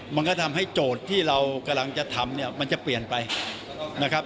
มันก็ทำให้โจทย์ที่เรากำลังจะทำเนี่ยมันจะเปลี่ยนไปนะครับ